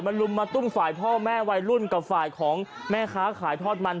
ลุมมาตุ้มฝ่ายพ่อแม่วัยรุ่นกับฝ่ายของแม่ค้าขายทอดมัน